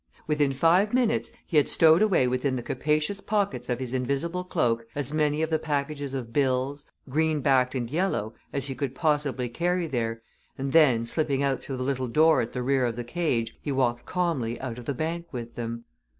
Within five minutes he had stowed away within the capacious pockets of his invisible cloak as many of the packages of bills, green backed and yellow, as he could possibly carry there, and then, slipping out through the little door at the rear of the cage, he walked calmly out of the bank with them.